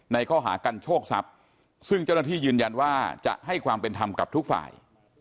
ในข้อหากันโชคทรัพย์ซึ่งเจ้าหน้าที่ยืนยันว่าจะให้ความเป็นธรรมกับทุกฝ่าย